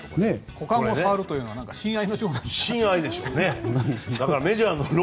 股間を触るというのは親愛でしょうね。